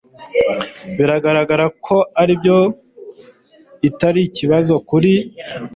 Biragaragara ko ibyo atari ikibazo kuri .